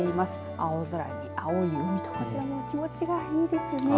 青空に、青い海とこちらも気持ちがいいですね。